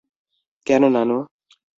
কেন, নানু।